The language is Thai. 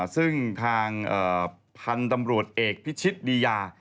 ซึ่งทางพันธุ์ตำรวจเอกพิชิตดียา